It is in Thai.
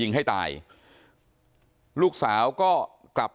ไม่ตั้งใจครับ